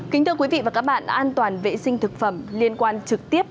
kính thưa quý vị và các bạn an toàn vệ sinh thực phẩm liên quan trực tiếp